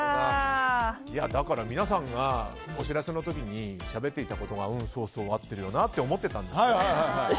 だから皆さんが、お知らせの時にしゃべっていたことがそうそう、合っているよなと思っていたんですよ。